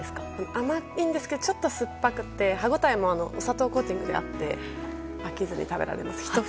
甘いんですがちょっと酸っぱくて歯応えもお砂糖のコーティングなのであって飽きずに食べられます、１袋。